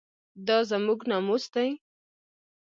دا زموږ ناموس دی؟